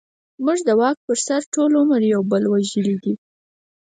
موږ د واک پر سر ټول عمر يو بل وژلې دي.